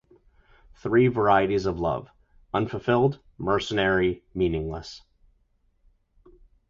Three varieties of love: unfulfilled, mercenary, meaningless.